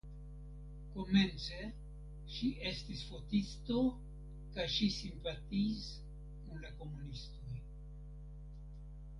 Komence ŝi estis fotisto kaj ŝi simpatiis kun la komunistoj.